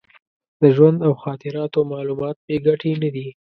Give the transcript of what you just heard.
د ژوند او خاطراتو معلومات بې ګټې نه دي.